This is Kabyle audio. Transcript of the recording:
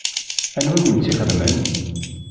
Anwa i wen-tt-ixedmen?